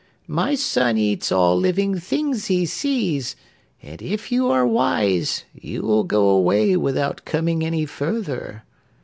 My son eats all living things he sees, and if you are wise, you will go away without coming any further.